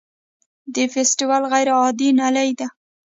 د فیستول غیر عادي نلۍ ده.